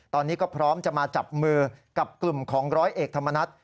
ตอนนี้ก็พร้อมจะมาจับมือกับกลุ่มของร้อยเอกธรรมนัฐ